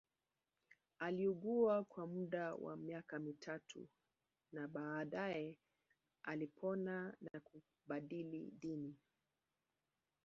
Aliugua kwa muda wa miaka mitatu na baadae alipona na kubadili dini